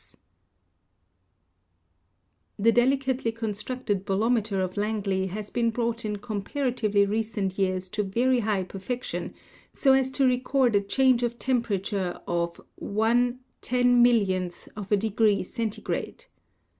THE SPEED OF LIGHT 81 The delicately constructed bolometer of Langley has been brought in comparatively recent years to very high perfection so as to record a change of temperature of ,0000001 of a degree Centigrade.